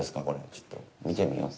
ちょっと見てみよう。